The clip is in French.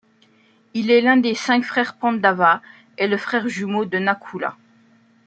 Il est l'un des cinq frères Pandava et le frère jumeau de Nakula.